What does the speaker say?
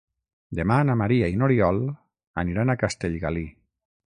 Demà na Maria i n'Oriol aniran a Castellgalí.